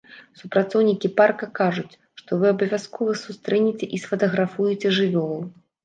Супрацоўнікі парка кажуць, што вы абавязкова сустрэнеце і сфатаграфуеце жывёлаў.